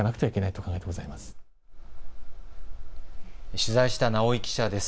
取材した直井記者です。